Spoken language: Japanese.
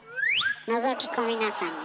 のぞき込みなさんな。